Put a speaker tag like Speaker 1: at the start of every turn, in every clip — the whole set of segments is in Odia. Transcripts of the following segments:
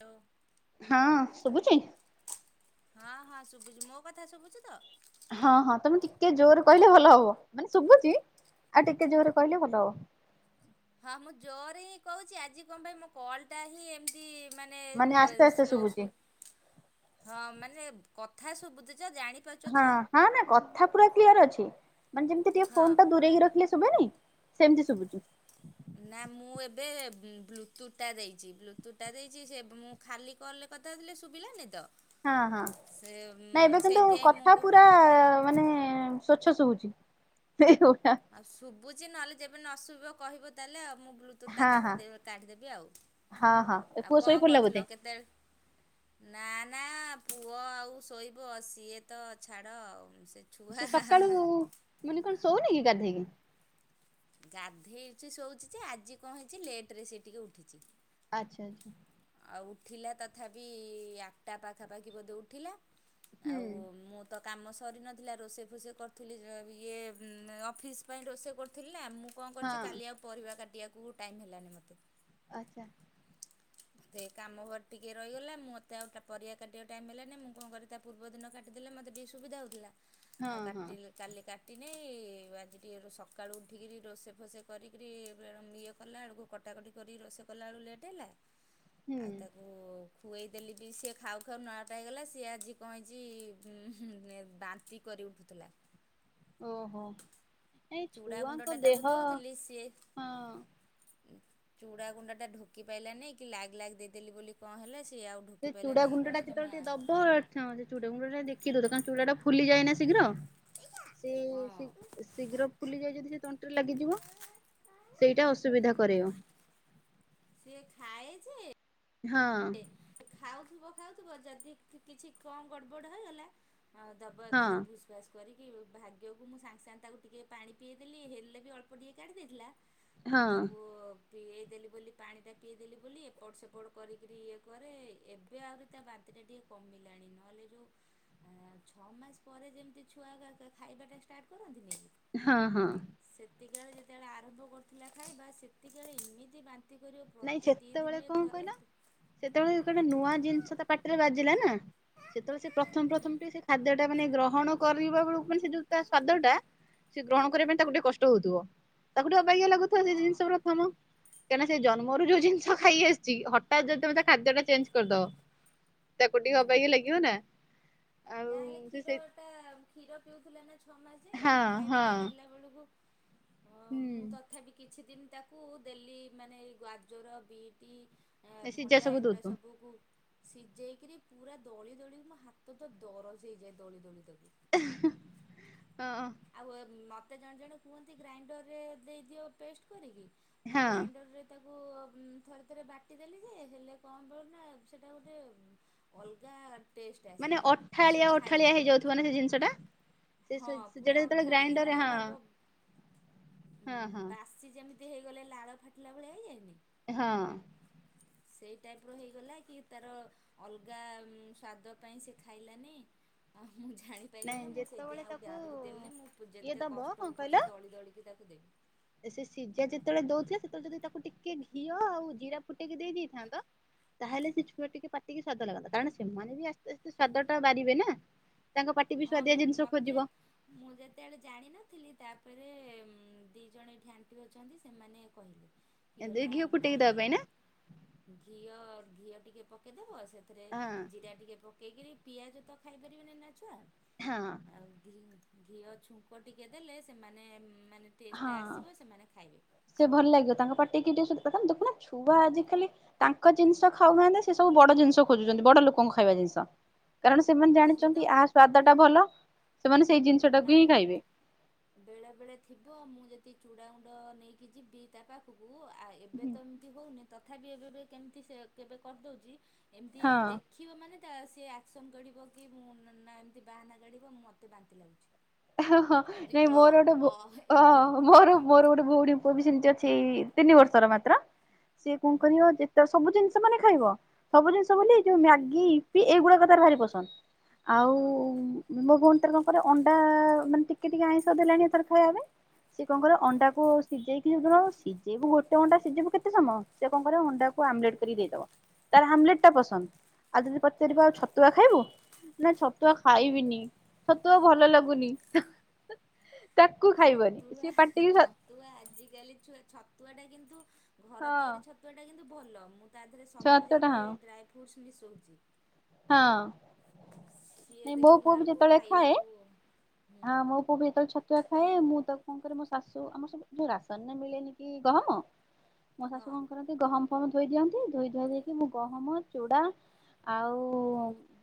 Speaker 1: ହାଲ
Speaker 2: ହଁ ଶୁଭୁଚି।
Speaker 1: ହଁ ହଁ ଶୁଭୁଚି ମୋ କଥା ଶୁଭୁଚି ତ।
Speaker 2: ହଁ ହଁ ତମେ ଟିକେ ଜୋରରେ କହିଲେ ଭଲ ହବ ମାନେ ଶୁଭୁଛି ଆଉ ଟିକେ ଜୋରରେ କହିଲେ ଭଲ ହବ।
Speaker 1: ହଁ ମୁଁ ଜୋରରେ ହିଁ କହୁଛି ଆଜି କଣ ପାଇଁ ମୋ କଲଟା ହିଁ ଏମତି ମାନେ
Speaker 2: ଆସ୍ତେ ଆସ୍ତେ
Speaker 1: ସ୍ଲୋଅ ସୁ
Speaker 2: ଶୁଭୁଛି
Speaker 1: ହ ମାନେ କଥା ଶୁଭୁଚି ଯେ ଜାଣି
Speaker 2: ହଁ ହଁ ନା କଥା ପୁରା କ୍ଲିୟର ଅଛି ମାନେ ଯେମିତି ଟିକେ
Speaker 1: ହଁ।
Speaker 2: ଫୋନ ଟା ଦୂରେଇକି ରଖିଲେ ଶୁବେନି ସେମିତି ଶୁଭୁଚି।
Speaker 1: ନା ମୁଁ ଏବେ ବ୍ଲୁଟୁଥଟା ଦେଇଛି ବ୍ଲୁଟୁଥ୍ଟା ଦେଇଛି ସେ ମୁଁ ଖାଲି କଲ୍ ରେ କଥାହଉଥିଲି ଶୁଭିଲାନି ତ।
Speaker 2: ହଁ ହଁ
Speaker 1: ସେ
Speaker 2: ନାଇଁ ଏବେ କିନ୍ତୁ
Speaker 1: ସେଇଥିପାଇଁ ମୁଁ
Speaker 2: କଥା
Speaker 1: କ
Speaker 2: ପୁରା ମାନେ ସ୍ଵଚ୍ଛ ଶୁଭୁଛି ହେଇ ଓ ଆ
Speaker 1: ଆଉ ଶୁଭୁଛି ନହେଲେ ଯେବେ ନ ଶୁଭିବ କହିବ ତାହେଲେ ଆଉ ମୁଁ ବ୍ଲ୍ୟ ଟୁଥ ଟା
Speaker 2: ହଁ
Speaker 1: କାଟି ଦେବ କାଢି ଦେବି
Speaker 2: ହଁ ହଁ ଏ
Speaker 1: ଆଉ
Speaker 2: ପୁଅ ଶୋଇ
Speaker 1: କଣ
Speaker 2: ପଡିଲା ବୋଧେ
Speaker 1: କରୁଥିଲ କେତେ ନା ନା ପୁଅ ଆଉ ଶୋଇବ ସିଏ ତ ଛାଡ଼ ଆଉଁ ସେ ଛୁଆ ହାଁ ହାଁ
Speaker 2: ମାନେ କଣ ସୋଉନି କି ଗାଧେଇ କି?
Speaker 1: ଗାଧେଇଛି ଶୋଉଛି ଯେ ଆଜି କଣ ହେଇଛି ଲେଟରେ ସେ ଟିକେ ଉଠିଛି।
Speaker 2: ଆଚ୍ଛା ଆଚ୍ଛା ଆଛା।
Speaker 1: ଆଉ ଉଠିଲା ତଥାପି ଆଠଟା ପାଖାପାଖି ବୋଧେ ଉଠିଲା।
Speaker 2: ହୁଁ
Speaker 1: ଆଉ ମୁଁ ତ କାମ ସରି ନଥିଲା ରୋଷେଇ ଫୋଷେଇ କରିଥିଲି ଯେ ଇଏ ଅଁ ଅଫିସ୍ ପାଇଁ ରୋଷେଇ କରୁଥିଲି ନା ମୁଁ କଣ କରିଛି
Speaker 2: ହଁ
Speaker 1: କାଲି ଆଉ ପରିବା କାଟିବାକୁ ଟାଇମ୍ ହେଲାନି ମୋତେ।
Speaker 2: ଆଚ୍ଛା।
Speaker 1: ତେ କାମ ଘରେ ଟିକେ ରହିଗଲା ମୋତେ ଆଉ ପରିବା କାଟିବା ପାଇଁ ଟାଇମ ହେଲାନି ମୁଁ କଣ କରିି ତା ପୂର୍ବ ଦିନ କାଟିଦେଲେ ମୋତେ ଟିକେ ସୁବିଧା ହଉଥିଲା
Speaker 2: ହଁ
Speaker 1: ଆଉ
Speaker 2: ହଁ
Speaker 1: କାଟିଲେ କାଲି କାଟି ନି ଆଜି ଟିକିଏ ସକାଳୁ ଉଠିକିରି ରୋଷେଇ ଫୋସେଇ କରିକିରି ଇଏ କଲା ବେଳକୁ କଟାକଟି କରି ରୋଷେଇ କଲାବେଳୁ ଲେଟ୍ ହେଲା
Speaker 2: ହୁଁ
Speaker 1: ଆଉ ତାକୁ ଖୁ ଖୁଏଇ ଦେଲି ବି ସିଏ ଖାଉ ଖାଉ ନଅଟା ହେଇଗଲା ସିଏ ଆଜି କଣ ହେଇଛି ଉଁ ହୁଁ ହୁଁ ବା ତି କରି ଉଠୁଥିଲା।
Speaker 2: ଓହୋ ଏଇ
Speaker 1: ଚୁଡ଼ା ଗୁଣ୍ଡଟା
Speaker 2: ଛୁଆଙ୍କ
Speaker 1: ତାକୁ
Speaker 2: ଦେହ
Speaker 1: ଦେଉଥିଲି ସିଏ
Speaker 2: ହଁ
Speaker 1: ଚୁଡ଼ା ଗୁଣ୍ଡ ଟା ଢୋକି ପାଇଲାନି କି ଲାଗ୍ ଲାଗ୍ ଦେଇଦେଲି ବୋଲି କଣ ହେଲା ସିଏ ଆଉ
Speaker 2: ସେ
Speaker 1: ଢୋକି
Speaker 2: ଚୁଡା
Speaker 1: ପାଇଲାନି କି
Speaker 2: ଗୁଣ୍ଡ ଟା
Speaker 1: କଣ
Speaker 2: ଯେତେବେଳେ ଟିକେ
Speaker 1: ଜମା
Speaker 2: ଦବ। ହଁ ସେ ଚୁଡା ଗୁଣ୍ଡଟା ଦେଖିକି ଦଉଥିବ କାରଣ ଚୁଡ଼ା ଟା ଫୁଲି ଯାଏନା ଶୀଘ୍ର ସେ
Speaker 1: ହଁ
Speaker 2: ଶୀଘ୍ର ଫୁଲି ଯାଏ ଯଦି ସେ ତଣ୍ଟିରେ ଲାଗିଯିବ ସେଇଟା ଅସୁବିଧା କରେଇବ।
Speaker 1: ସିଏ ଖାଏ ଯେ
Speaker 2: ହଁ
Speaker 1: ଖାଉଥିବ ଖାଉଥିବ ଯଦି କିଛି କଣ ଗଡ଼ବଡ଼ ହେଇଗଲା ଆଁ ଦ ବ
Speaker 2: ହଁ
Speaker 1: ଭୁସ ଭାସ କରିକି ଭାଗ୍ୟକୁ ମୁଁ ସାଙ୍ଗେ ସାଙ୍ଗେ ତାକୁ ଟିକେ ପାଣି ପିଏଇ ଦେଲି ହେଲେ ବି ଅଳ୍ପ ଟିକେ କାଢ଼ିଦେଇଥିଲା। ମୁଁ
Speaker 2: ହଁ
Speaker 1: ତାକୁ ପିଏଇଦେଲି ବୋଲି ପାଣିଟା ପିଏଇଦେଲି ବୋଲି ଏପଟ ସେପଟ କରିକି ରି ଇଏ କରେ ଏବେ ଆହୁରି ତା ବାନ୍ତିଟା ଟିକେ କମିଲାଣି ନହେଲେ ଯୋଉ ଛଅ ମାସ ପରେ ଯେମିତି ଛୁଆ ଖା ଖାଇବାଟା ଷ୍ଟାର୍ଟ କରନ୍ତିନି।
Speaker 2: ହଁ ହଁ।
Speaker 1: ସେତିକିବଳେ ଯେତେବେଳେ ଆରମ୍ଭ କରୁଥିଲା ଖାଇବା ସେତିକିବଳେ ଏମିତି ବାନ୍ତି କରିବ ପ୍ରତି ଦିଇ ଦିନିରେ ଥରେ
Speaker 2: ଯେତେବେଳେ ଯେତେବେଳେ ଗୋଟେ ନୂଆ ଜିନିଷ ତା ପାଟିରେ ବାଜିଲା ନା ସେତେବେଳେ ସେ ପ୍ରଥମ ପ୍ରଥମ ଟିକେ ସେ ଖାଦ୍ୟଟା ମାନେ ଗ୍ରହଣ କରିବା ବେଳକୁ ମାନେ ସେ ଯୋଉ ତା ସ୍ଵାଦ ଟା ସେ ଗ୍ରହଣ କରିବା ପାଇଁ ତାକୁ ଟିକେ କଷ୍ଟ ହଉଥିବ ତାକୁ ଟିକେ ଅବଗିଆ ଲାଗୁଥିବ ସେ
Speaker 1: ହଁ
Speaker 2: ଜିନିଷ ପ୍ରଥମ କାହିଁକି ସେ ଜନ୍ମ ମରୁ ଯୋଉ ଜିନିଷ ଖାଇ ଆସିଛି ହଠାତ୍ ଯଦି ତମେ ତା ଖାଦ୍ୟଟା ଚେଞ୍ଜ କରିଦବ। ତାକୁ ଟିିକେ
Speaker 1: ହୁଁ
Speaker 2: ଅବାଗିଆ ଲାଗିିବ ନା। ଆଉ
Speaker 1: ଯାହାହେଲେ
Speaker 2: ସେ ସେ
Speaker 1: କ୍ଷୀରଟା କ୍ଷୀର ପିଉଥିଲା ନା ଛଅ ମାସ ଯେ
Speaker 2: ହଁ
Speaker 1: ଖାଇବାଟା
Speaker 2: ହଁ
Speaker 1: ଖାଇଲା ବେଳକୁ ମୁଁ ତ
Speaker 2: ହୁଁ
Speaker 1: ତଥାପି କିଛି ଦିନ ତାକୁ ଦେଲି ମାନେ ଗାଜର ବିଟ ଏ
Speaker 2: ସିଝା
Speaker 1: ଭଣ୍ଡା
Speaker 2: ସବୁ
Speaker 1: ଏଗୁଡ଼ା
Speaker 2: ଦଉଥିବ
Speaker 1: ସବୁକୁ ସିଝେଇକିରି ପୁରା ଦଳି ଦଳିି ମୋ ହାତ ତ ଦରଜ ହେଇଯାଏ ଦଳି ଦଳି ଦଳିତାକୁ
Speaker 2: ହଁ।
Speaker 1: ଆଉ ମୋତେ ଜଣେ ଜଣେ କୁହନ୍ତି ଗ୍ରାଇଣ୍ଡରରେ ଦେଇଦିଅ ପେଷ୍ଟ କରିକି ମୋ
Speaker 2: ହଁ
Speaker 1: ଗ୍ରାଇଣ୍ଡରରେ ତାକୁ ଥରେ ଥରେ ବାଟିଦେଲି ଯେ ହେଲେ କଣ ହେଳେନା ସେଇଟା ଗୋଟେ ଅଲଗା ଟେଷ୍ଟ
Speaker 2: ମାନେ
Speaker 1: ଆସେ ସେ
Speaker 2: ଅଠାଳିଆ ଅଠାଳିଆ
Speaker 1: ଖାଇଲାନି
Speaker 2: ହେଇଯାଉଥିବ ନା ସେ ଜିନିଷ ଟା ସେ
Speaker 1: ହଁ। ପୁରା
Speaker 2: ସିଝାଟା ଯେତେବେଳେ
Speaker 1: ଅଠାଳିଆ
Speaker 2: ଗ୍ରାଇଣ୍ଡରରେ
Speaker 1: ହେଇଯାଏ
Speaker 2: ହଁ
Speaker 1: କହିବ? ଉ
Speaker 2: ହଁ ହଁ
Speaker 1: ବାସି ଯେମିତି ହେଇଗଲେ ଲାଳ ଫାଟିଲା ଭଳିଆ ହେଇଯାଏନି।
Speaker 2: ହଁ।
Speaker 1: ସେଇ ଟାଇପତ୍ ହେଇଗଲା କି ତାର ଅଲଗା ସ୍ଵାଦ ପାଇଁ ସେ ଖାଇଲାନି। ହ ମୁଁ ଜାଣିି ଦେଲିନି
Speaker 2: ନାଇଁ
Speaker 1: ନା ମୁଁ
Speaker 2: ଯେତେବେଳେ
Speaker 1: ସେଇଥିପାଇଁ ଆଉ
Speaker 2: ତାକୁ
Speaker 1: ଜାଣିକି ଦେଲି ନା ମୁଁ
Speaker 2: ଇଏ
Speaker 1: ଯେତେ
Speaker 2: ଦବ
Speaker 1: କଷ୍ଟ
Speaker 2: କଣ କହିଲ
Speaker 1: ହଉପଚ୍ଛେ ଦଳି ଦଳିକି ତାକୁ ଦେବି।
Speaker 2: ସେ ସିଝା ଯେତେବେଳେ ଦଉଥିଲା ସେତେବେଳେ ଯଦି ତାକୁ ଟିକେ ଘିଅ ଆଉ ଜିରା ଫୁଟେଇକି ଦେଇଦେଇଥାନ୍ତ। ତାହେଲେ ସେ ଛୁଆ ଟିକେ ପାଟିିକି ସ୍ଵାଦ ଲାଗନ୍ତା କାରଣ ସେମାନେ ବି ଆସ୍ତେ ଆସ୍ତେ ସ୍ଵାଦ ଟା ବାରିବେ ନା? ତାଙ୍କ ପାଟି ବି
Speaker 1: ହଁ
Speaker 2: ସୁ୍ଆଦିଆ ଜିନିଷ
Speaker 1: ମତେ
Speaker 2: ଖୋଜିବ?
Speaker 1: ମୁଁ ଯେତେବେଳେ ଜାଣିନଥିଲି ତାପରେ ଦି ଜଣ ଏଠି ଆଣ୍ଟି ଅଛନ୍ତି ସେମାନେ କହିଲେ? କି ହେଲା
Speaker 2: ଘିଅ ଫୁଟେଇକି ଦେବା ପାଇଁ
Speaker 1: ନାଇଁ?
Speaker 2: ନା
Speaker 1: ଘିଅ ଘିଅ ଟିକେ ପକେଇଦବ ସେଥିରେ
Speaker 2: ହଁ
Speaker 1: ଜିରା ଟିକେ ପକେଇକିରି ପିଆଜ ତ ଖାଇପାରିବେନି ନା ଛୁଆ।
Speaker 2: ହଁ।
Speaker 1: ଆଉ ଘି ଘିଅ ଛୁଙ୍କ ଟିକେ ଦେଲେ ସେମାନେ ମାନେ ଟେଷ୍ଟଟା
Speaker 2: ହଁ
Speaker 1: ଆସିବ ସେମାନେ ଖାଇବେ
Speaker 2: ସେ ଭଲ ଲାଗିବ ତାଙ୍କ ପାଟିକି ଟିକେ ଦେଖୁନା ଛୁଆ ଆଜି କାଲି ତାଙ୍କ ଜିନିଷ ଖାଉନାହାନ୍ତି ସେ ସବୁ ବଡ ଜିନିଷ ଖୋଜୁଛନ୍ତି ବଡ ଲୋକଙ୍କ ଖାଇବା ଜିନିଷ। କାରଣ ସେମାନେ
Speaker 1: ସିଏ
Speaker 2: ଜାଣିଛନ୍ତି
Speaker 1: ତ
Speaker 2: ଏହା ସ୍ଵାଦଟା ଭଲ ସେମାନେ ସେଇ ଜିନିଷଟାକୁ ହିଁ
Speaker 1: ମାନେ
Speaker 2: ଖାଇବେ।
Speaker 1: ବେଳେ ବେଳେ ଥିବ ମୁଁ ଯଦି ଚୁଡ଼ାଗୁଣ୍ଡ ନେଇକି ଯିବି ତା ପାଖକୁ ଆ ଏବେ ତ ଏମତି ହଉନି। ତଥାପି ଏବେ ବେ କେମିତି କେବେ କରିଦଉଚି। ଏମିତି
Speaker 2: ହଁ
Speaker 1: ଦେ ଦେଖିବ ମାନେ ତା ସିଏ ଆକ୍ସନ୍ କରିବ କି ମୁଁ ନା ନା ଏମିତି ବାହାନା କାଢ଼ିବ ମୁଁ ମୋତେ ବାନ୍ତି ଲାଗୁଚି।
Speaker 2: ହଁ ହଁ ନାଇଁ ମୋର ଗୋଟେ ଭ
Speaker 1: ଏମିତି
Speaker 2: ହଁ
Speaker 1: ହବ।
Speaker 2: ମୋର ମୋର ଗୋଟେ ଭଉଣୀ ପୁଅ ବି ସେମିତି ଅଛି ତିନି ବର୍ଷର ମାତ୍ର। ସିଏ କଣ
Speaker 1: ହୁଁ
Speaker 2: କରିବ ଯେ ତ ସବୁ ଜିନିଷ ମାନେ ଖାଇବ। ସବୁ ଜିନିଷ ବୋଲି ଯୋଉ
Speaker 1: ହୁଁ
Speaker 2: ମ୍ୟାଗି ଇପି ଏଇଗୁଡାକ ତାର ଭାରି ପସନ୍ଦ। ଆଉ
Speaker 1: ହଉ
Speaker 2: ମୋ ଭଉଣୀ ତାର କଣ କରେ ଅଣ୍ଡା ମାନେ ଟିକେ ଟିକେ ଆଇଁଷ ଦେଲାଣି ଏଥର ଖାଇବା ପାଇଁ। ସିଏ କଣ କରିବ
Speaker 1: ହଁ
Speaker 2: ଅଣ୍ଡାକୁ ସିଝେଇକି ଯଉ ଦିନ ସିଝେଇବୁ ଗୋଟେ ଅଣ୍ଡା ସିଝେଇବୁ କେତେ ସମୟ, ସେ କଣ କରିବ ଅଣ୍ଡାକୁ ଆମଲେଟ କରିକୁ ଦେଇଦବ। ତାର ଆମ୍ଲେଟ ଟା
Speaker 1: ହଉ।
Speaker 2: ପସନ୍ଦ। ଆଉ ଯଦି ପଚାରିବ ଆଉ ଛତୁଆ ଖାଇବୁ? ନା ଛତୁଆ ଖାଇବିନି ଛତୁଆ ଭଲ ଲାଗୁନି। ତାକୁ ଖାଇବନି।
Speaker 1: ଛତୁଆ
Speaker 2: ସିଏ ପାଟିକି ସ୍ୱା
Speaker 1: ଛତୁଆ ଆଜିକାଲି ଛୁଆ ଛତୁଆଟା କିନ୍ତୁ ଘର ତିଆରି ଛତୁଆଟା କିନ୍ତୁ ଭଲ। ମୁଁ ତା ଦେହରେ ସବୁ
Speaker 2: ଛତୁଆ ଟା
Speaker 1: ଯାକ
Speaker 2: ହଁ
Speaker 1: ଏଇ ଡ୍ରା ଫ୍ରୁଟ୍ସ ମିଶଉଚି।
Speaker 2: ହଁ।
Speaker 1: ସିଏ
Speaker 2: ନାଇଁ ମୋ
Speaker 1: ଦେଖିଲା
Speaker 2: ପୁଅ ବି
Speaker 1: ବେଳକୁ
Speaker 2: ଯେତେବେଳେ ଖାଏ
Speaker 1: ଖାଇବାକୁ ହୁଁ
Speaker 2: ଆଁ ମୋ ପୁଅ ବି ଯେତେବେଳେ ଛତୁଆ ଖାଏ ମୁଁ ତାକୁ କଣ କରେ ମୋ ଶାଶୁ ଆମର ସବୁ ଯଉ ରାସନ ରେ ମିଳେନି କି ଗହମ। ହ ମୋ ଶାଶୁ
Speaker 1: ହଁ
Speaker 2: କଣ କରନ୍ତି ଗହମ ଫହମ ଧୋଇ ଦିଅନ୍ତି। ଧୋଇ ଧୁଆ ଦେଇକି ମୁଁ ଗହମ ଚୁଡ଼ା ଆଉ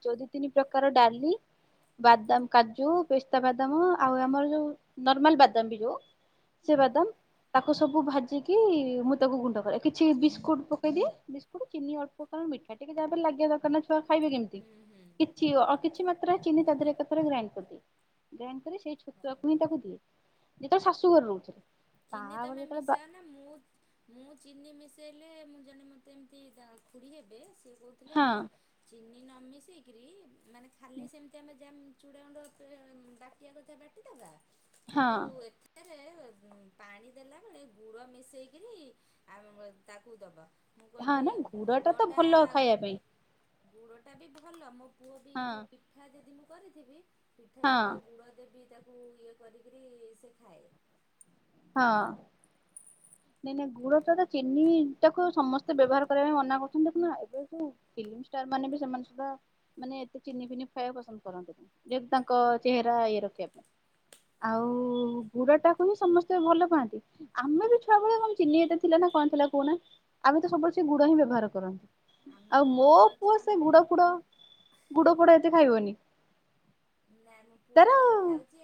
Speaker 2: ଯଉ ଦି ତିନି ପ୍ରକାର ଡାଲି ବାଦାମ କାଜୁ ପେସ୍ତା ବାଦାମ ଆଉ ଆମର ଯୋଉ ନର୍ମାଲ ବାଦାମ ବି ଯୋଉ ସେ
Speaker 1: ହଁ
Speaker 2: ବାଦାମ, ତାକୁ ସବୁ ଭାଜିକି ମୁଁ ତାକୁ ଗୁଣ୍ଡ କରେ। କିଛି ବିସ୍କୁଟ ପକେଇଦିଏ। ବିସ୍କୁଟ ଚିନି ଅଳ୍ପ କାରଣ ମିଠା ଟିକେ ଯାହା ହେଲେ ଲାଗିବା ଦରକାର ନା ଛୁଆ ଖାଇବେ କେମିତି।
Speaker 1: ହୁଁ ହୁଁ
Speaker 2: କିଛି ଅ କିଛି ମାତ୍ରାରେ ଚିନି ତା ଦେହରେ ଏକା ଥରେ ଗ୍ରାଇଣ୍ଡ କରିଦିଏ। ଗ୍ରାଇଣ୍ଡ କରି ସେଇ
Speaker 1: ହଉ
Speaker 2: ଛତୁଆକୁ ହିଁ ତାକୁ ଦିଏ। ଯେତେବେଳେ ଶାଶୁ ଘରେ ରହୁଥିଲି।
Speaker 1: ଚିନି
Speaker 2: ତାପରେ
Speaker 1: ତମେ
Speaker 2: ଯେତେବେଳେ ବା
Speaker 1: ମିସାଅ ନା ମୁଁ ମୁଁ ଚିନି ମିଶେଇଲେ ମୁଁ ଜଣେ ମତେ ଏମିତି ଖୁୁଡି ଦା ହେବେ ସେ କହୁଥିଲେ
Speaker 2: ହଁ
Speaker 1: କି ଚିନି ନ ମିିଶେଇକିରି ମାନେ ଖାଲି ସେମିତି ଆମେ ଯା ଚୁଡ଼ା ଗୁଣ୍ଡ ବାଟିବା କଥା ବାଟିଦେବା।
Speaker 2: ହଁ
Speaker 1: କିନ୍ତୁ ଏଥିରେ ପାଣି ଦେଲା ବେଳେ ଗୁଡ଼ ମିଶେଇକିରି ଆ ତାକୁ ଦବା। ମୁଁ
Speaker 2: ହଁ
Speaker 1: କହିଲି
Speaker 2: ନା ଗୁଡ ଟା ତ
Speaker 1: ଗୁଡ଼ଟା
Speaker 2: ଭଲ ଖାଇବା ପାଇଁ
Speaker 1: ଗୁଡ଼ଟା ବି ଭଲ। ମୋ ପୁଅ ବି ଯୋଉ
Speaker 2: ହଁ।
Speaker 1: ପିଠା ଯଦି ମୁଁ କରିଥିବି ପିଠା
Speaker 2: ହଁ
Speaker 1: ସହିତ ଗୁଡ଼ ଦେବି ତାକୁ ଇଏ କରିକିରି ସେ ଖାଏ।
Speaker 2: ହଁ। ନାଇଁ ନାଇଁ ଗୁଡ ଟା ତ ଚିନି ଟାକୁ ସମସ୍ତେ ବ୍ୟବହାର କରିବା ପାଇଁ ମନା କରୁଛନ୍ତି। ଦେଖୁନ ଏବେ ଯୋଉ ଫିଲ୍ମଷ୍ଟାର ମାନେ ବି ସେମାନେ ସୁଦ୍ଧା ମାନେ ଏତେ ଚିନି ଫିନି ଖାଇବାକୁ ପସନ୍ଦ କରନ୍ତିନି। ଯେହେତୁ ତାଙ୍କ ଚେହେରା ଇଏ ରଖିବା ପାଇଁ। ଆଉ
Speaker 1: ହଁ।
Speaker 2: ଗୁଡ ଟାକୁ ବିି ସମସ୍ତେ କେତେ ଭଲ ପାଆନ୍ତି। ଆମେ ବି ଛୁଆବେଳେ କଣ ଚିନି ଏତେ ଥିଲା ନା କଣ ଥିଲା କହୁନା। ଆମେ ତ ସବୁବେଳେ ସେଇ ଗୁଡ ହିଁ ବ୍ୟବହାର କରୁ। ଆଉ
Speaker 1: ଆମର
Speaker 2: ମୋ
Speaker 1: ମନେ
Speaker 2: ପୁଅ
Speaker 1: ଅଛି
Speaker 2: ସେ
Speaker 1: ଆମେ
Speaker 2: ଗୁଡ ଫୁଡ ଗୁଡ ଫୁଡ ଏତେ ଖାଇବନି।
Speaker 1: ନାଇଁ ମୋ ପୁଅ
Speaker 2: ତାର
Speaker 1: ଟିକେ
Speaker 2: ହଁ
Speaker 1: ଖାଉଚି।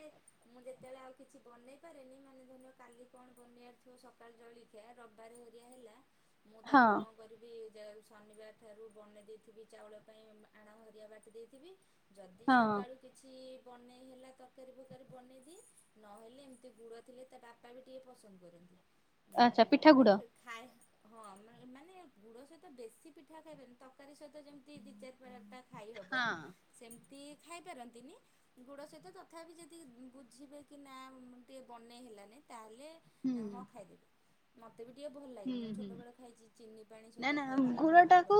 Speaker 1: ମୁଁ ଯେତେବେଳେ ଆଉ କିଛି ବନେଇ ପାରେନି, ମାନେ ଧରି ନିଅ କାଲି କଣ ବନେଇବାର ଥିବ ସକାଳୁ ଜଳି ଖିଆ ରବିବାର ହେରିକା ହେଲା ମୁଁ ତାକୁ
Speaker 2: ହଁ
Speaker 1: କଣ କରିବି ଶନିବାର ଠାରୁ ବନେଇ ଦେଇଥିବି ଚାଉଳ ପାଇଁ ଆଣ ହେରିଆ ବାଟି ଦେଇଥିବି। ଯଦି ସ କିଛି ବନେଇ ହେଲା ତରକାରୀ ଫରକାରୀ ବନେଇଦିଏ। ନହେଲେ ଏମିତି ଗୁଡ ଥିଲେ ତା ବା ତା ବି ଟିକେ ପସନ୍ଦ କରନ୍ତି।
Speaker 2: ଆଚ୍ଛା
Speaker 1: ଉଁ ମାନେ
Speaker 2: ପିଠାଗୁଡ
Speaker 1: ଖାଏ ହଁ ମାନେ ଗୁଡ଼ ସହିତ ବେଶୀ ପିଠା ଖାଇବେନି ତକାରୀ ସହିତ ଯେମିତି ଦୁଇ ଚାରି ଫରଟା ଖାଇହେବ
Speaker 2: ହଁ।
Speaker 1: ସେମିତି ଖାଇପାରନ୍ତିନି। ଗୁଡ଼ ସହିତ ତଥାପି ଯଦି ବୁଝିବେ କି ନା ଟିକେ ବନେଇ ହେଲାନି ତାହେଲେ
Speaker 2: ହୁଁ
Speaker 1: ଏ ହଁ ଖାଇଦେବି। ମୋତେ ବି ଟିକିଏ ଭଲ ଲାଗେ
Speaker 2: ହୁଁ
Speaker 1: ମୁଁ
Speaker 2: ହୁଁ
Speaker 1: ଛୋଟବେଳେ ଖାଇଛି ଚିନି ପାଣି
Speaker 2: ନା
Speaker 1: ସହିତ
Speaker 2: ନା
Speaker 1: ଖାଇବୁ
Speaker 2: ଗୁଡ
Speaker 1: ନହେଲେ
Speaker 2: ଟାକୁ
Speaker 1: ଗୁଡ଼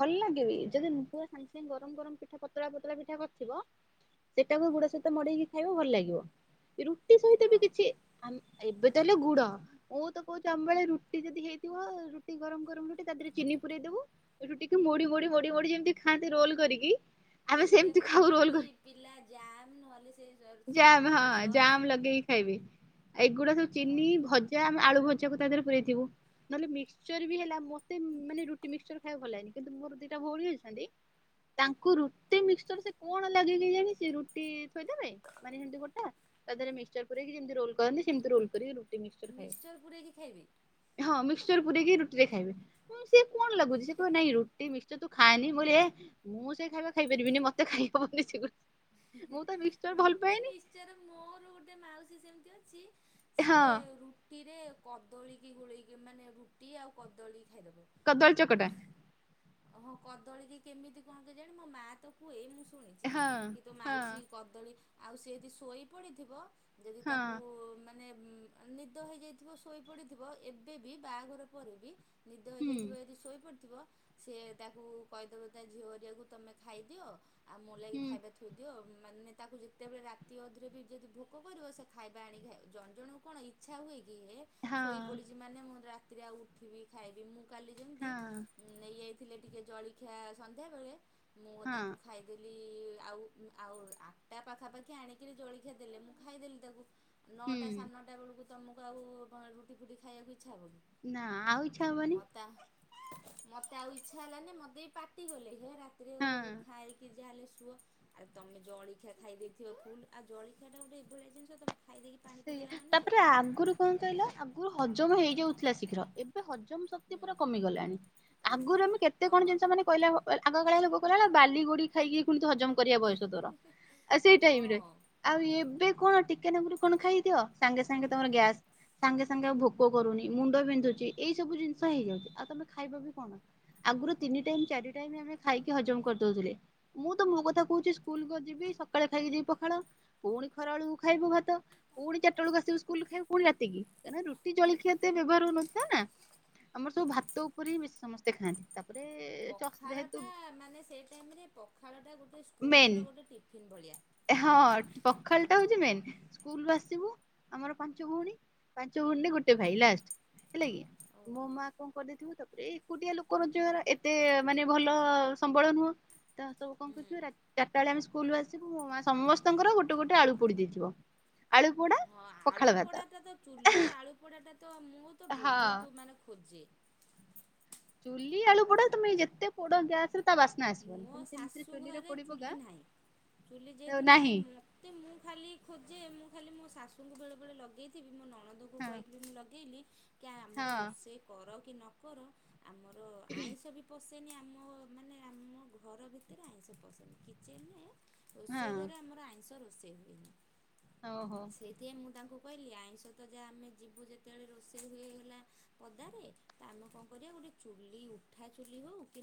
Speaker 2: ଭଲ ଲାଗିବି ଯଦି ନୁ ପୁଆ ସାଙ୍ଗେ ସାଙ୍ଗେ ଗରମ ଗରମ ପିଠା ପତଳା ପତଳା ପିଠା କରିଥିବ ସେଟାକୁ ଗୁଡ ସହିତ ମଡେଇକି ଖାଇବ ଭଲ ଲାଗିବ ରୁଟି ସହିତ
Speaker 1: ହଁ
Speaker 2: ବି କିଛି ଆ ଏବେ ତାହେଲେ ଗୁଡ ମୁଁ ତ କହୁଛି ଆମ ବଳେ ରୁ ରୁଟି ଯଦି ହେଇଥିବ ରୁଟି ଗରମ ଗରମ ରୁଟି ତା ଦେହରେ ଚିନି ପୁରୀଇଦବୁ ଏଠୁ ଟିକେ ମୋଡି ମଡି ମଡି ମୋଡି ଯେମିତି ଖାଆନ୍ତି ରୋଲ କରିକି ଆମେ
Speaker 1: ଏବେ
Speaker 2: ସେମିତି ଖାଉ ରୋଲ
Speaker 1: ଖାଉଛନ୍ତି
Speaker 2: କରି
Speaker 1: ପିଲା ଜାମ୍ ନହେଲେ ସେ
Speaker 2: ଜାମ
Speaker 1: ଟମାଟୋ
Speaker 2: ହଁ
Speaker 1: ସସ୍
Speaker 2: ଜାମ ଲଗେଇକି ଖାଇବେ ଏଗୁଡା ସବୁ
Speaker 1: ହଁ
Speaker 2: ଚିନି ଭ ଯାମ ଆମେ ଆଳୁ ଭଜାକୁ ତା ଦେହରେ ପୁରଇଥିବୁ ନହେଲେ ମିଶ୍ଚର୍ ବି ହେଲା ମ ମୋତେ ମାନେ ରୁଟି ମିକ୍ସିଚର୍ ଖାଇବା ଭଲ ଲାଗନି କିନ୍ତୁ ମୋର ଦିଟା ଭଉଣି ଅଛନ୍ତି ତାଙ୍କୁ ରୁଟି ମିକ୍ସଚର ସେ କଣ ଲାଗେ କେଜାଣି ସେ ରୁଟି ଥୋଇଦବେ ମାନେ ସେମତି ଗୋଟା ତା ଦେହରେ ମିକ୍ସିଚର୍ ପୁରେଇକି ଯେମିତି ରୋଲ କରନ୍ତି ସେମିତି ରୋଲ କରିକି ମିକ୍ସଚର ଖାଇବେ।
Speaker 1: ମିକ୍ସିଚର ପୁରେଇକି ଖାଇବେ?
Speaker 2: ହଁ ମିକ୍ସିଚର ପୁରେଇକି ରୁଟି ରେ ଖାଇବେ ସେ କଣ ଲାଗୁଛି ସେ କହ ନାଇଁ ରୁଟି ମିକ୍ସିଚର ତୁ ଖାଏନି ବୋଳିଏ ମୁଁ ସେ ଖାଇବା ଖାଇପାରିବିନି ମତେ ଖାଇ ହବନି ସେଗୁଡା। ମୁଁ ତ ମିକ୍ସଚର ଭଲ
Speaker 1: ରୁଟି
Speaker 2: ପାଏନି
Speaker 1: ମିକ୍ସିଚର୍ ମୋର ଗୋଟେ ମାଉସୀ ସେମିତି ଅଛି।
Speaker 2: ହଁ
Speaker 1: ସିଏ ରୁଟିରେ କଦଳୀ କି ଗୋଳେଇକି ମାନେ ରୁଟି ଆଉ କଦଳୀ ଖାଇଦେବ।
Speaker 2: କଦଳି ଚକଟା।
Speaker 1: ହଁ କଦଳୀ କି କେମିତି କଣ କେଜାଣି ମୋ ମା ତ କୁହେ ମୁଁ ଶୁଣିଛି
Speaker 2: ହଁ
Speaker 1: କି ତୋ ମାଉସୀ
Speaker 2: ହଁ
Speaker 1: କ ଦଳି ସେ ଯଦି ଶୋଇପଡ଼ିଥିବା ଯଦି ତାକୁ
Speaker 2: ହଁ
Speaker 1: ମା ମାନେ ନିଦ ହେଇଯାଇଥିବ ଶୋଇପଡ଼ିଥିବ ଏବେ ବି ବାହାଘର ପରେ ବି ନିଦ
Speaker 2: ହୁଁ
Speaker 1: ହେଇଯାଇଥିବ ଯଦି ଶୋଇପଡ଼ିଥିବ। ସେ ତାକୁ କହିଦେବ ତା ଝିଅ ହେରିକାକୁ ତମେ ଖାଇଦିଅ ଆଉ ମୋ ଲାଗି
Speaker 2: ହୁଁ
Speaker 1: ଖାଇବା ଥୋଇଦିଅ ମାନେ ତାକୁ ଯେତେବେଳେ ରାତି ଅଧରେ ବି ଯଦି ଭୋକ କରିବ ସେ ଖାଇବା ଆଣିକି ଖାଇବ ଜଣେ ଜଣଙ୍କୁ କଣ ଇଚ୍ଛା ହୁଏ କି ହେ
Speaker 2: ହଁ
Speaker 1: ଶୋଇପଡ଼ିଛି ମାନେ ମୁଁ ରାତିରେ ଆଉ ଉଠିବି ଖାଇବି ମୁଁ କାଲି ଯେମିତି
Speaker 2: ହଁ
Speaker 1: ନେଇଯାଇଥିଲେ ଟିକେ ଜଳଖିଆ ସନ୍ଧ୍ୟାବେଳେ ମୁଁ ତାକୁ
Speaker 2: ହଁ
Speaker 1: ଖାଇ ଦେଲି ଆଉ ଆଉ ଆଠଟା ପାଖାପାଖି ଆଣିକିରି ଜଳଖିଆ ଦେଲେ ମୁଁ ଖାଇଦେଲି ତାକୁ ନଅଟା
Speaker 2: ହୁଁ
Speaker 1: ସାଢ଼େ ନଅଟା ବେଳକୁ ତମକୁ ଆଉ କଣ ରୁଟି ଫୁଟି ଖାଇବାକୁ ଇଚ୍ଛା ହେବକି?
Speaker 2: ନାଁ ଆଉ ଇଚ୍ଛା ହବନି।
Speaker 1: ମୋତେ ଆଉ ଇଚ୍ଛା ହେଲାନି ମୋତେ ବି ପାଟି କଲେ ହେ ରାତିରେ
Speaker 2: ହଁ।
Speaker 1: ଖାଇକି ଯାହା ହେଲେ ଶୁଅ। ଆଉ ତମେ ଜଳଖିଆ ଖାଇ ଦେଇେଥିବ ଫୁଲ ଆଉ ଜଳଖିଆ ଟା ଗୋଟେ ଏଭଳିଆ ଜିନିଷ ତମେ ଖାଇ ଦେଇକି ପାଣି
Speaker 2: ସେଇଆ
Speaker 1: ପିଇଦେଲା ମାନେ
Speaker 2: ତାପରେ
Speaker 1: ଶଇଲା।
Speaker 2: ଆଗରୁ କଣ କହିଲ ଆଗରୁ ହଜମ ହେଇଯାଉଥିଲା ଶୀଘ୍ର ଏବେ ହଜମ ଶକ୍ତି
Speaker 1: ହୁଁ
Speaker 2: ପୁରା କମି ଗଲାଣି ଆଗରୁ ଆମେ କେତେ କଣ
Speaker 1: ହଁ
Speaker 2: ଜିନିଷ ମାନେ କହିଲା ଭ ଆଗକାଳେ ଲୋକ କହିଲା ଭଳିଆ ବାଲି, ଗୋଡ଼ି ଖାଇକି ପୁଣି ହଜମ କରିବା ବୟସ ତୋର ଆଉ ସେଇ ଟାଇମ ରେ
Speaker 1: ହଁ।
Speaker 2: ଆଉ ଏବେ କଣ ଟିକେ ନାକୁ କଣ ଖାଇଦିଅ ସାଙ୍ଗେ ସାଙ୍ଗେ ତମର ଗ୍ୟାସ ସାଙ୍ଗେ ସାଙ୍ଗେ ଆଉ ଭୋକ କରୁନି ମୁଣ୍ଡ ବିନ୍ଧୁଛି ଏଇ ସବୁ ଜିନିଷ ହେଇଯାଉଛି ଆଉ ତମେ ଖାଇବ ବି କଣ? ଆଗରୁ ତିନି ଟାଇମ ଚାରି ଟାଇମ ଆମେ ଖାଇକି ହଜମ କରିଦଉଥିଲେ ମୁଁ ତ ମୋ କଥା କହୁଛି ସ୍କୁଲକୁ ଯିବି ସକାଳେ ଖାଇକ ଯିବି ପଖାଳ। ପୁଣି ଖରା ବେଳୁ କୁ ଖାଇବୁ ଭାତ। ପୁଣି ଚାରିଟା ବେଳକୁ ଆସିବୁ ସ୍କୁଲରୁ ଖାଇବୁ, ପୁଣି ରାତିକି। ରୁଟି ଜଳଖିଆ ଏତେ ବ୍ୟବହାର ହଉନଥିଲା ନା। ଆମର ସବୁ ଭାତ ଉପରେ ହିଁ ବେଶି ସମସ୍ତେ ଖାଆନ୍ତି। ତାପରେ ଚ ଯେହେତୁ
Speaker 1: ପଖାଳଟା ମାନେ ସେଇ ଟାଇମରେ ପଖାଳଟା ଗୋଟେ
Speaker 2: ମେନ୍
Speaker 1: ସ୍କୁଲର ଗୋଟେ ଟିଫିନ୍ ଭଳିଆ।
Speaker 2: ହଁ। ପଖାଳଟା ହଉଚି ମେନ। ସ୍କୁଲରୁ ଆସିବୁ ଆମର ପାଞ୍ଚ ଭଉଣୀ ପାଞ୍ଚ ଭଉଣୀ ରେ ଗୋଟେ
Speaker 1: ହଁ
Speaker 2: ଭାଇ ଲାଷ୍ଟ ହେଲାକି।
Speaker 1: ଓ
Speaker 2: ମୋ ମାଆ କଣ କରିଦେଇଥିବ। ତାପରେ ଏକୁଟିଆ ଲୋକ ରୋଜଗାର ଏତେ ମାନେ ଭଲ ସମ୍ବଳ ନୁହଁ। ତ ସବୁ କଣ
Speaker 1: ହୁଁ।
Speaker 2: କରିଥିବ ରାତି, ଚାରିଟା ବେଳେ ଆମେ ସ୍କୁଲୁରୁ ଆସିବୁ ମୋ ମାଆ ସମସ୍ତଙ୍କର ଗୋଟେ ଗୋଟେ ଆଳୁ ପୋଡ଼ି ଦେଇଥିବ। ଆଳୁ ପୋଡା
Speaker 1: ହଁ
Speaker 2: ପଖାଳ
Speaker 1: ଆଳୁ
Speaker 2: ଭାତ
Speaker 1: ପୋଡ଼ାଟା ତ ଚୁଲି ଆଳୁ ପୋଡ଼ାଟା ତ ମୁଁ ତ
Speaker 2: ହଁ
Speaker 1: ବହୁତ ମାନେ ଖୋଜେ।
Speaker 2: ଚୁଲି ଆଳୁ ପୋଡ଼ା ତମେ ଯେତେ ପୋଡ଼ ଗ୍ୟାସରେ ତା ବା
Speaker 1: ମୋ ଶାଶୁ ଘରେ ଚୁଲି ନାହିଁ। ଚୁଲି ଯେହେତୁ ନାହିଁ ମତେ ମୁଁ ଖାଲି ଖୋଜେ ମୁଁ ଖାଲି ମୋ ଶାଶୁଙ୍କୁ ବେଳେ ବଳେ ଲଗେଇଥିବି ମୋ ନ ନଣନ୍ଦକୁ
Speaker 2: ହଁ
Speaker 1: କହିକି ମୁଁ ଲଗେଇଲି କି
Speaker 2: ହଁ
Speaker 1: ଆମର ରୋଷେଇ କର କି ନ କର। ଆମର ଆଇଁଷ ବି ପସେନି ଆମ ମାନେ ଆମ ଘର ଭିତରେ ଆଇଁଷ ପସେନି। କିଚେନ ରେ
Speaker 2: ହଁ
Speaker 1: ରୋଷେଇ ଘରେ ଆମର ଆଇଁଷ ରୋଷେଇ ହୁଏନି।
Speaker 2: ଓହୋ
Speaker 1: ସେ ଏ ମୁଁ ତାଙ୍କୁ କହିଲି ଆଇଁଷ ତ ଯାହା ଆମେ ଯିବୁ ଯେତେବେଳେ ରୋଷେଇ ହେଇଗଲା ପଦାରେ। ତ ଆମେ କଣ କରିବା ଗୋଟେ ଚୁଲି ଉଠା ଚୁଲି ହଉ କି